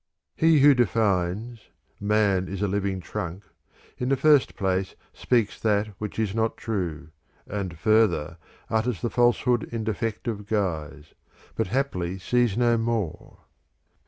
III He who defines :' Man is a living trunk,' in the first place, speaks that which is not true, and further, utters the falsehood in defective guise ; but haply sees no more.